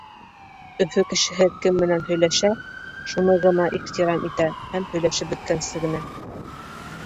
Өфө кешеһе кем менән һөйләшә, шуны гына ихтирам итә һәм һөйләшеп бөткәнсе генә.